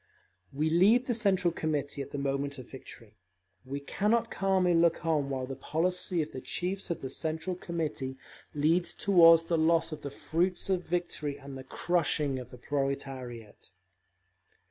We leave the Central Committee at the moment of victory; we cannot calmly look on while the policy of the chiefs of the Central Committee leads toward the loss of the fruits of victory and the crushing of the proletariat….